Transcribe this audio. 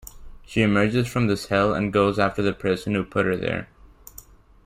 She emerges from this hell and goes after the person who put her there.